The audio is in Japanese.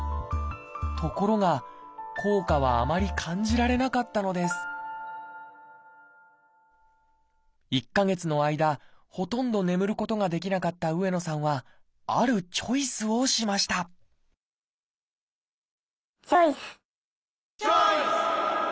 ところが効果はあまり感じられなかったのです１か月の間ほとんど眠ることができなかった上野さんはあるチョイスをしましたチョイス！